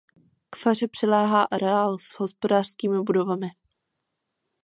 K faře přiléhá areál s hospodářskými budovami.